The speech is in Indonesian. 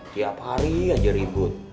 tiap hari aja ribut